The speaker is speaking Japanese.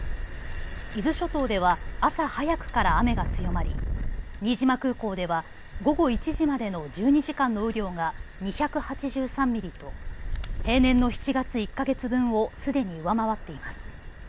伊豆諸島では朝早くから雨が強まり新島空港では午後１時までの１２時間の雨量が２８３ミリと平年の７月１か月分をすでに上回っています。